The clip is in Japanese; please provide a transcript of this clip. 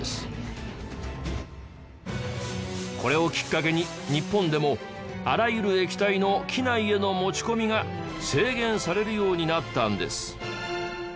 これをきっかけに日本でもあらゆる液体の機内への持ち込みが制限されるようになったんです。